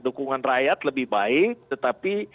dukungan rakyat lebih baik tetapi